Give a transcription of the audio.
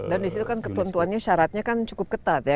dan disitu kan ketentuannya syaratnya cukup ketat ya